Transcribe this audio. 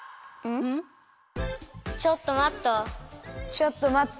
ちょっと待っと。